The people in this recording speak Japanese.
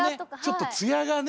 ちょっと艶がね。